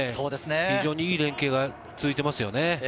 非常にいい連係が続いていますよね。